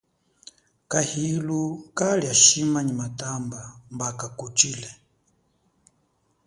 Kahilu kalia shima nyi matamba mba kakutshile.